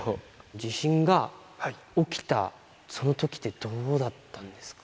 地震が起きた、そのときってどうだったんですか？